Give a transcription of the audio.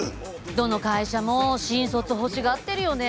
どの会社も新卒ほしがってるよね。